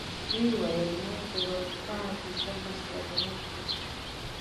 و یې ویل نورو ورځپاڼې پنځلس ورځنۍ کړې.